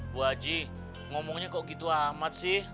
bu aji ngomongnya kok gitu amat sih